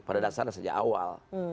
pada dasarnya sejak awal